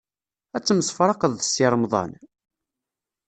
Ad temsefraqeḍ d Si Remḍan?